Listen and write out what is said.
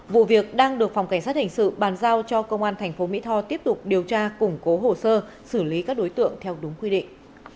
vụ việc đang được phòng cảnh sát hình sự bàn giao cho công an thành phố mỹ tho tiếp tục điều tra củng cố hồ sơ xử lý các đối tượng theo đúng quy định